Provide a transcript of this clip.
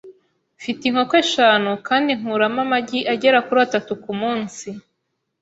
Mfite inkoko eshanu kandi nkuramo amagi agera kuri atatu kumunsi.